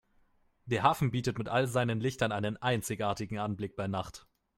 Der Hafen bietet mit all seinen Lichtern einen einzigartigen Anblick bei Nacht.